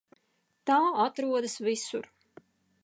Tā atrodas visur.